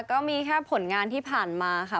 ก็มีแค่ผลงานที่ผ่านมาค่ะ